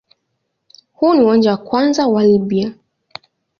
Huu ni uwanja wa kwanza wa Libya.